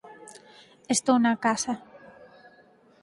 Estou na casa.